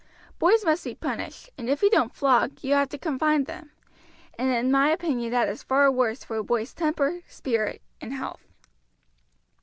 Boys must be punished, and if you don't flog you have to confine them, and in my opinion that is far worse for a boy's temper, spirit, and health."